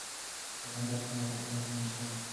په کندهار کې صنعتي فعالیتونه شته